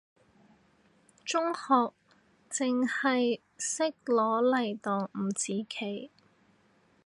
中學淨係識攞嚟當五子棋，